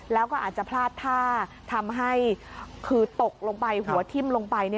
แล้วก็อาจจะพลาดท่าทำให้คือตกลงไปหัวทิ้มลงไป